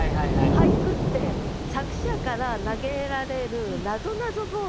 俳句って作者から投げられるなぞなぞボールなのね。